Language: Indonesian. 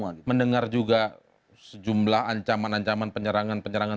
apakah pak zul mendengar juga sejumlah ancaman ancaman penyerangan penyerangan